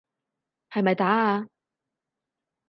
係咪打啊？